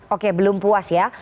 oke belum puas ya